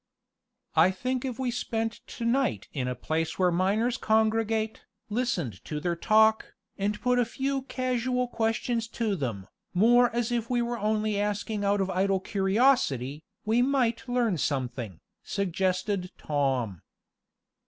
"I think if we spent to night in a place where the miners congregate, listened to their talk, and put a few casual questions to them, more as if we were only asking out of idle curiosity, we might learn something," suggested Tom.